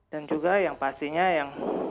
dan juga yang pastinya yang